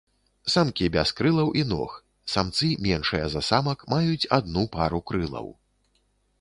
Самкі без крылаў і ног, самцы меншыя за самак, маюць адну пару крылаў.